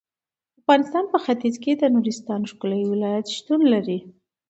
د افغانستان په ختیځ کې د نورستان ښکلی ولایت شتون لري.